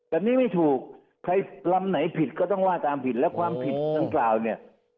แต่นี่ไม่ถูกใครลำไหนผิดก็ต้องว่าตามผิดและความผิดดังกล่าวเนี่ย